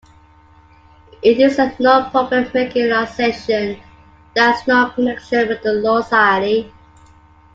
It is a non-profit making organisation and has no connection with the Law Society.